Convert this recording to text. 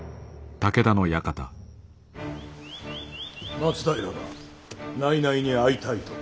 松平が内々に会いたいと。